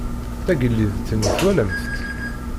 Tagellidt-nni twalamt-tt?